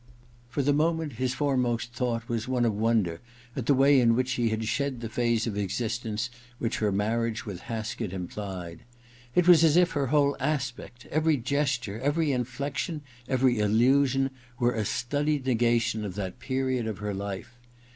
For the moment his foremost thought was one of wonder at the way in which she had shed the phase of existence which her marriage with Ill THE OTHER TWO 6i Haskett implied. It was as if her whole aspect, , every gesture, every inflection, every allusion, were a studied negation of that period of her life.